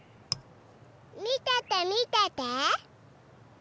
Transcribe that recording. みててみてて！